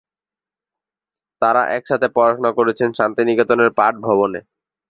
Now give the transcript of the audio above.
তারা একসাথে পড়াশোনা করেছেন শান্তিনিকেতনের পাঠ ভবনে।